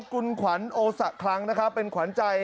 คุณขวัญโอสะคลังนะครับเป็นขวัญใจ